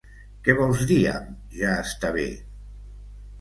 Què vols dir amb "ja està bé"?